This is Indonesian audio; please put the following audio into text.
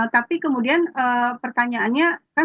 tapi kemudian pertanyaannya kan